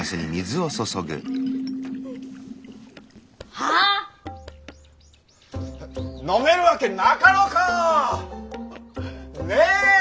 はあっ⁉飲めるわけなかろうかぁ⁉ねえ？